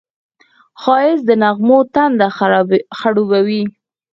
ښایست د نغمو تنده خړوبوي